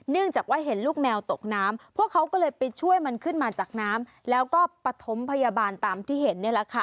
จากว่าเห็นลูกแมวตกน้ำพวกเขาก็เลยไปช่วยมันขึ้นมาจากน้ำแล้วก็ปฐมพยาบาลตามที่เห็นนี่แหละค่ะ